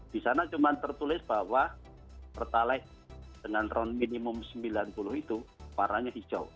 di sana cuma tertulis bahwa pertalite dengan ron minimum sembilan puluh itu warnanya hijau